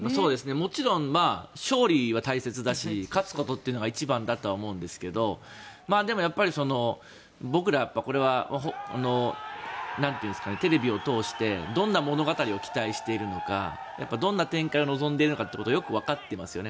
もちろん勝利は大切だし勝つことというのが一番だと思いますがでも、僕らがテレビを通してどんな物語を期待しているのかどんな展開を望んでいるのかということをよく分かっていますよね。